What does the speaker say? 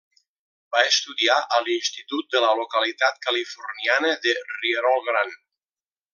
Va estudiar a l'institut de la localitat californiana de Rierol Gran.